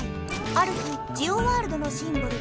ある日ジオワールドのシンボル